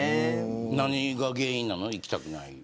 何が原因なの、行きたくない。